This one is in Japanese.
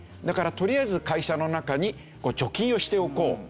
だからとりあえず会社の中に貯金をしておこう。